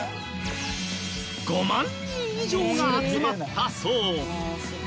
５万人以上が集まったそう。